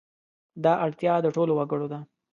دا اړتیاوې د ټولو وګړو دي.